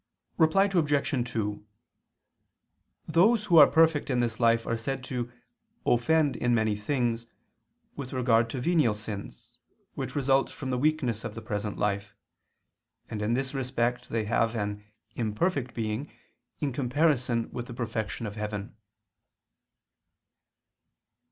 Reply Obj. 2: Those who are perfect in this life are said to "offend in many things" with regard to venial sins, which result from the weakness of the present life: and in this respect they have an "imperfect being" in comparison with the perfection of heaven.